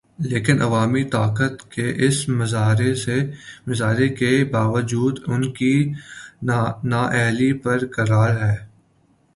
لیکن عوامی طاقت کے اس مظاہرے کے باوجود ان کی نااہلی برقرار ہے۔